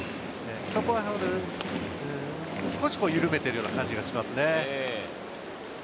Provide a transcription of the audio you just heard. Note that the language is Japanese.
そこを少し緩めているような感じがしますね。